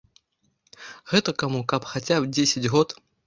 Гэтакаму каб хаця дзесяць год.